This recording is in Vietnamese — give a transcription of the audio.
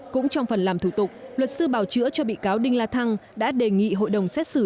cũng trong phần làm thủ tục luật sư bào chữa cho bị cáo đinh la thăng đã đề nghị hội đồng xét xử